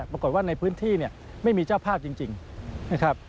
ปรากฏว่าในพื้นที่เนี่ยไม่มีเจ้าภาพจริงนะครับ